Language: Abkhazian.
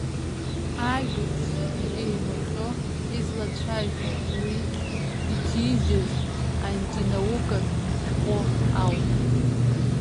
Ажәабжьс еимырҟьо излацәажәо уи иҭижьыз антинаукатә шәҟәы ауп.